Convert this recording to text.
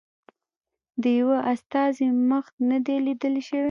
د یوه استازي مخ نه دی لیدل شوی.